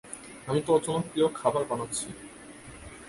আমি তোর জন্য তোর প্রিয় খাবার বানাচ্ছি।